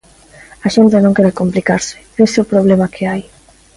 A xente non quere complicarse, ese é o problema que hai.